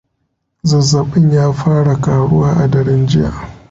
zazzabin ya fara karuwa a daren jiya